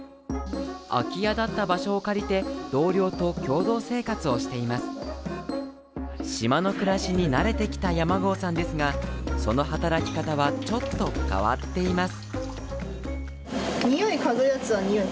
空き家だった場所を借りて同僚と共同生活をしています島の暮らしに慣れてきた山郷さんですがその働き方はちょっと変わっています